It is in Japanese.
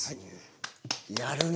やるね。